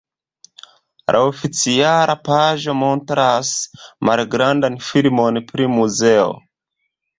La oficiala paĝo montras malgrandan filmon pri muzeo.